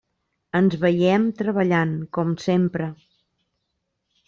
Ens veiem treballant, com sempre.